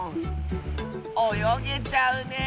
およげちゃうねえ！